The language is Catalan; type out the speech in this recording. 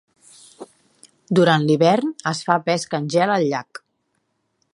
Durant l"hivern, es fa pesca en gel al llac.